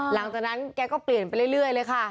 หลังจากนั้นแกก็เปลี่ยนไปเรื่อยเลยค่ะ